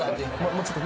もうちょっと。